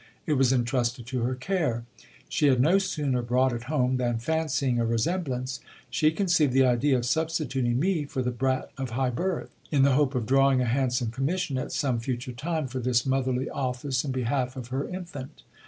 It was entrusted to her care. She had no sooner brought it home, than, fancying a resemblance, she conceived the idea of substituting me for the brat of high birth, in the hope of drawing a handsome commission at some future time for this motherly office in behalf of her infant.